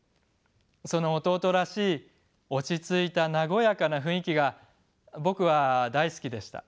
その弟らしい落ち着いた和やかな雰囲気が僕は大好きでした。